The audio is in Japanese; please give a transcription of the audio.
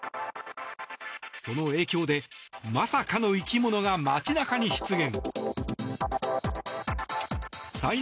その影響で、まさかの生き物が街中に出現。